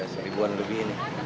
seribuan lebih ini